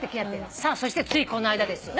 さあそしてついこの間ですよ。